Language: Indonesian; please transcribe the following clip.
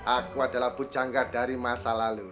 aku adalah pujangga dari masa lalu